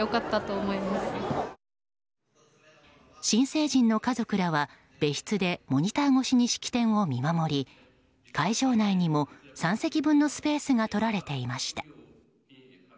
新成人の家族らは別室でモニター越しに式典を見守り会場内にも３席分のスペースがとられていました。